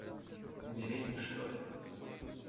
Умереть бы что-ли?!